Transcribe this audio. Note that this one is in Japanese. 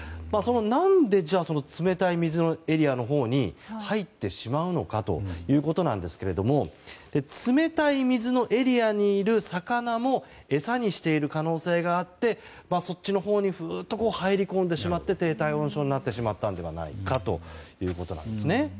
何で冷たい水のエリアのほうに入ってしまうのかということですが冷たい水のエリアにいる魚も餌にしている可能性があってそっちのほうにふーっと入り込んでしまって低体温症になってしまったのではないかということです。